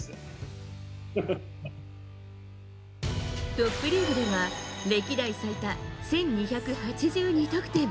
トップリーグでは歴代最多１２８２得点。